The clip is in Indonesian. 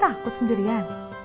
tapi takut sendirian